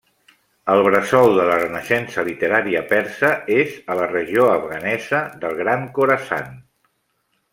El bressol de la renaixença literària persa és a la regió afganesa del Gran Khorasan.